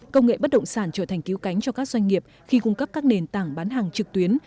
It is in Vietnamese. công nghệ bất động sản trở thành cứu cánh cho các doanh nghiệp khi cung cấp các nền tảng bán hàng trực tuyến